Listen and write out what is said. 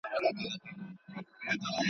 چي ښځه له ژونده څخه پای څه غواړي